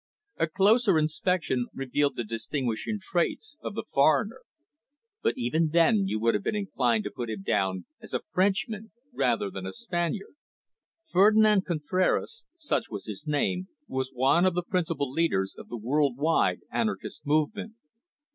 A closer inspection revealed the distinguishing traits of the foreigner. But even then you would have been inclined to put him down as a Frenchman, rather than a Spaniard. Ferdinand Contraras, such was his name, was one of the principal leaders of the world wide anarchist movement.